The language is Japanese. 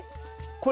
これ。